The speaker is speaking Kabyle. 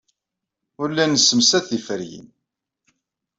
Ur la nessemsad tiferyin.